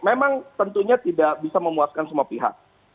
memang tentunya tidak bisa memuaskan semua pihak